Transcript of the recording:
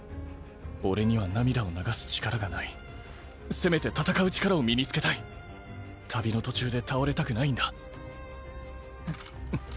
俺には涙を流す力がないせめて戦う力を身に付けたい旅の途中で倒れたくないんだんっん？